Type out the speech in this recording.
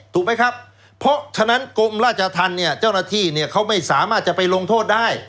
ถูกไหมครับเพราะฉะนั้นกรมราชทานเจ้านที่พวกเขาไม่สามารถไปลงโทษได้